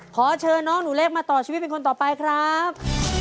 ขอเชิญน้องหนูเล็กมาต่อชีวิตเป็นคนต่อไปครับ